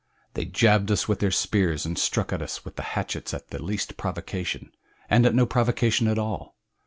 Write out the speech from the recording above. They jabbed us with their spears and struck at us with the hatchets at the least provocation, and at no provocation at all.